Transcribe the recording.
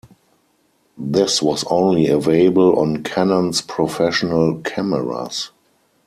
This was only available on Canon's professional cameras.